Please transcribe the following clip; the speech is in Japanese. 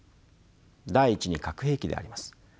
第１に核兵器であります。